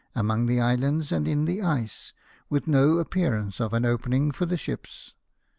among the islands and in the ice, with no appearance of an opening for the ships.